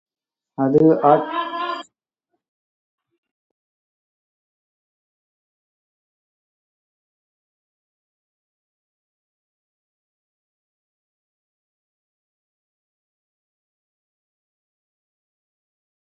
அது ஆட்டக்காரர்களுக்கிடையே நிகழ்கின்ற அலங்கோல உணர்வுகளின் ஆரோகணச் சக்தியினால்தான் என்பதையும் எல்லோரும் உணர்வார்கள்.